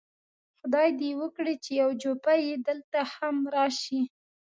خدای دې وکړي چې یو جوپه یې دلته هم راشي.